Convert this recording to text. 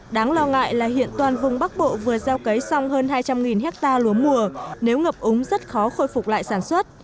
đáng lo ngại là hiện toàn vùng bắc bộ vừa gieo cấy xong hơn hai trăm linh hectare lúa mùa nếu ngập úng rất khó khôi phục lại sản xuất